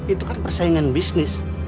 itu kan persaingan bisnis